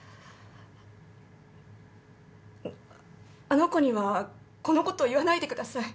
あの子にはこのこと言わないでください。